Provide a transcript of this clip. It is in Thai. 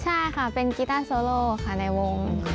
ใช่ค่ะเป็นกีต้าโซโลค่ะในวง